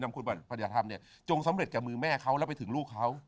นำคนปฏิภัณฑ์เนี่ยจงสำเร็จกับมือแม่เขาแล้วไปถึงลูกเขา